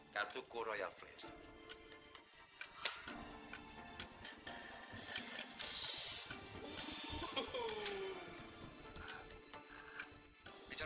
kartu royal french